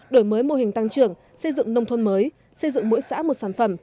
đổi mới mô hình tăng trưởng xây dựng nông thôn mới xây dựng mỗi xã một sản phẩm